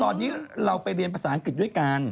ตอนนี้เราไปเรียนภาษาอังกฤษด้วยกัน